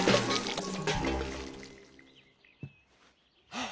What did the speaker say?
あっ！